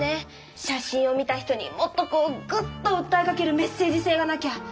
写真を見た人にもっとこうグッとうったえかけるメッセージせいがなきゃ！